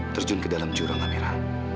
terjun ke dalam jurang kamera